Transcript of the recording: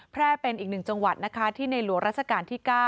แพร่เป็นอีกหนึ่งจังหวัดนะคะที่ในหลวงราชการที่๙